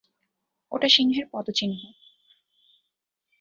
ওটা সিংহের পদচিহ্ন।